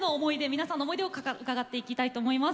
皆さんの思い出を伺っていきたいと思います。